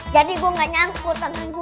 jadi gue gak nyangkut tangan gue